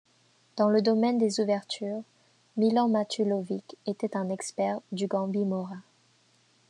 Dans le domaine des ouvertures, Milan Matulovic était un expert du gambit Morra.